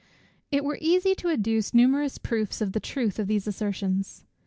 It were easy to adduce numerous proofs of the truth of these assertions.